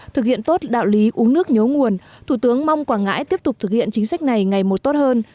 thực hiện tốt đạo lý uống nước nhớ nguồn thủ tướng mong quảng ngãi tiếp tục thực hiện chính sách này ngày một tốt hơn